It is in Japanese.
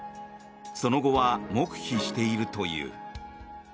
その後は黙秘しているという。